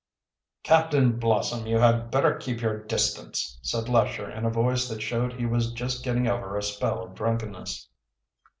"Captain Blossom, you had better keep your distance," said Lesher in a voice that showed he was just getting over a spell of drunkenness.